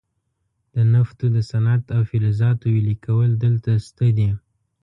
د نفتو د صنعت او فلزاتو ویلې کول دلته شته دي.